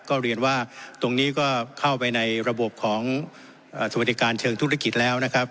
ก็เรียนว่าตรงนี้ก็เข้าไปในระบบของสวัสดิการเชิงธุรกิจแล้วนะครับ